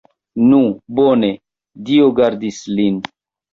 Nu, bone, Dio gardis lin!